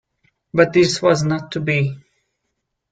But this was not to be.